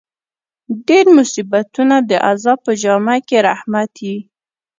ډېر مصیبتونه د عذاب په جامه کښي رحمت يي.